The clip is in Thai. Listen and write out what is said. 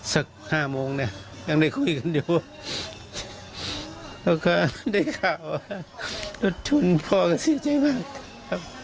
สักห้าโมงเนี่ยยังได้คุยกันอยู่แล้วก็ได้ข่าวว่าอดทนพ่อก็เสียใจมากครับ